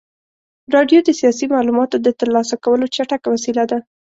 راډیو د سیاسي معلوماتو د ترلاسه کولو چټکه وسیله وه.